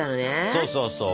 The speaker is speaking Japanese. そうそうそう。